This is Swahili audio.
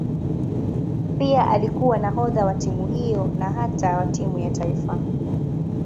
Pia alikuwa nahodha wa timu hiyo na hata wa timu ya taifa.